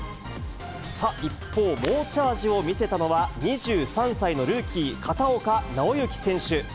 一方、猛チャージを見せたのは、２３歳のルーキー、ルーキー、片岡尚之選手。